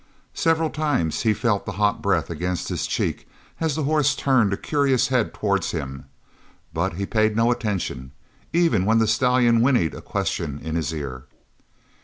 Several times he felt hot breath against his cheek as the horse turned a curious head towards him, but he paid no attention, even when the stallion whinnied a question in his ear.